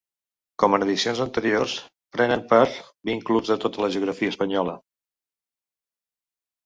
Com en edicions anteriors, prenen part vint clubs de tota la geografia espanyola.